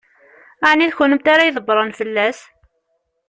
Ɛni d kennemti ara ydebbṛen fell-as?